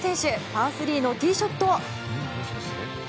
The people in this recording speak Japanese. パー３のティーショット。